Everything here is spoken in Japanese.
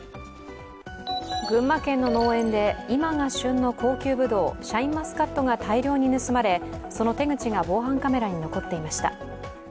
群馬県の農園で、今が旬の高級ぶどうシャインマスカットが大量に盗まれ、その手口が防犯カメラに残っていました。